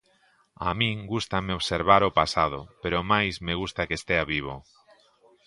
A min gústame observar o pasado, pero máis me gusta que estea vivo.